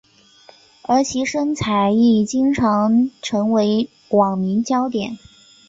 而其身材亦经常成为网民焦点。